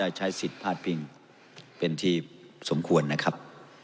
ก็ได้ใช้สิทธิ์พาตรพิงเป็นที่สมควรนะครับ